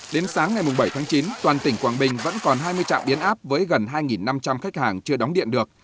đến sáng ngày bảy tháng chín toàn tỉnh quảng bình vẫn còn hai mươi trạm biến áp với gần hai năm trăm linh khách hàng chưa đóng điện được